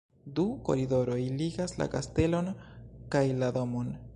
Du koridoroj ligas la kastelon kaj la domon.